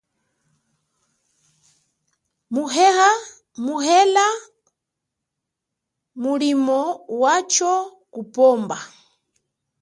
Muhela mulimo wacho kupomba.